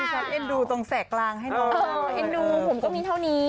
ฉันเอ็นดูตรงแสกกลางให้น้องเอ็นดูผมก็มีเท่านี้